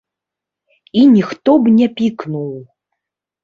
І ніхто б не пікнуў.